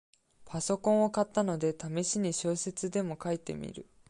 パソコンを買ったので、ためしに小説でも書いてみる